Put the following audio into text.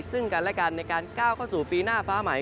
ซึ่งกันและกันในการก้าวเข้าสู่ปีหน้าฟ้าใหม่